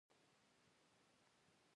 دا ځواک د پرمختګ انګېزه ده.